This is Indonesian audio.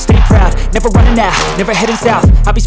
kita orang baik kok